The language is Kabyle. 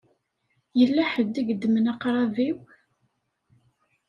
Yella ḥedd i yeddmen aqṛab-iw.